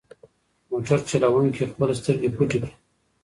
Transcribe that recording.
موټر چلونکي خپلې سترګې پټې کړې.